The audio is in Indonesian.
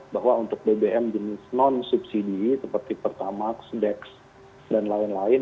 bahwa untuk bbm jenis non subsidi seperti pertamax dex dan lain lain